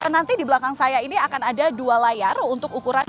nanti di belakang saya ini akan ada dua layar untuk ukuran